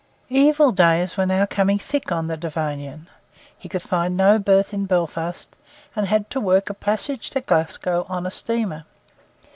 Evil days were now coming thick on the Devonian. He could find no berth in Belfast, and had to work a passage to Glasgow on a steamer.